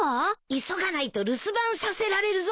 急がないと留守番させられるぞ。